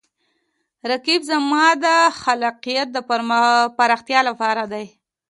رقیب زما د خلاقیت د پراختیا لپاره دی